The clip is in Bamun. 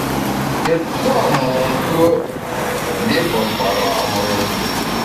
Tùt pua’ monkùe’, li pe nkpara’ mùn.